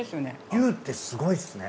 牛ってすごいっすね。